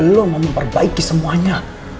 lo mau memperbaiki semuanya